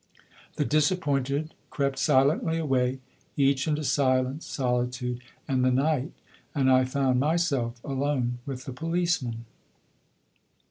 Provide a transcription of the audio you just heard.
The disappointed crept silently away, each into silence, solitude and the night, and I found myself alone with the policeman.